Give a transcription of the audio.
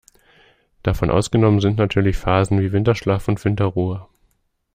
Davon ausgenommen sind natürlich Phasen wie Winterschlaf und Winterruhe.